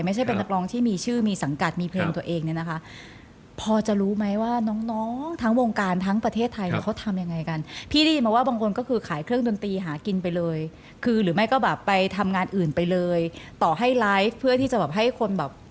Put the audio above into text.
ไม่ใช่เป็นนักร้องที่มีชื่อมีสังกัดมีเพลงตัวเองเนี่ยนะคะ